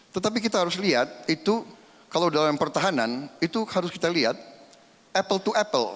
tetapi kita harus lihat itu kalau dalam pertahanan itu harus kita lihat apple to apple